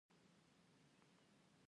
عمليات خونې ته تر وړلو مخکې مې ورته وکتل.